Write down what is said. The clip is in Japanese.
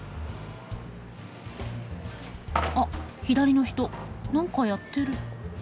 あっ左の人何かやってる。